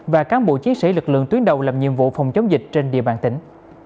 và cán bộ chiến sĩ lực lượng tuyến đầu làm nhiệm vụ phòng chống dịch trên địa bàn tỉnh